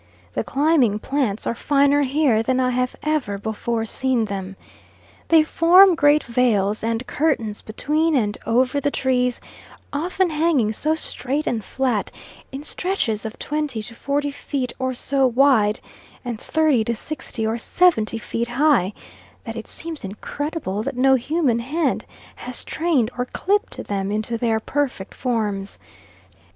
The climbing plants are finer here than I have ever before seen them. They form great veils and curtains between and over the trees, often hanging so straight and flat, in stretches of twenty to forty feet or so wide, and thirty to sixty or seventy feet high, that it seems incredible that no human hand has trained or clipped them into their perfect forms.